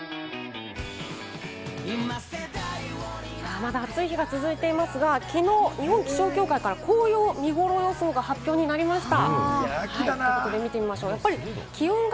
まだ暑い日が続いていますが、きのう日本気象協会から紅葉見頃予想が発表になりました。